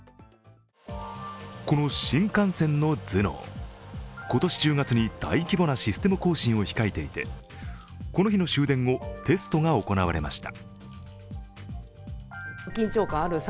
この新幹線の頭脳、今年１０月に大規模なシステム更新を控えていてこの日の終電後、テストが行われました。